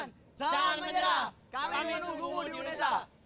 jangan menyerah kami nunggumu di unesa